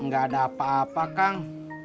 gak ada apa apa kang